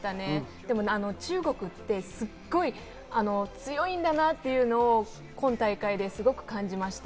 でも中国って、すごい強いんだなっていうのを今大会ですごく感じました。